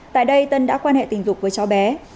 tại đây tân đã quan hệ tình dục với cháu bé